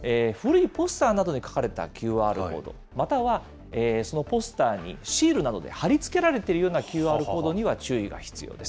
古いポスターなどに書かれたＱＲコード、またはそのポスターにシールなどで貼り付けられているようなＱＲコードには、注意が必要です。